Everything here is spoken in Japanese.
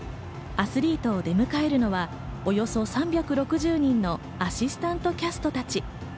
アスリートを出迎えるのは、およそ３６０人のアシスタントキャストたち。